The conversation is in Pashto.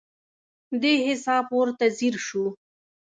دې حساب ورته ځیر شو.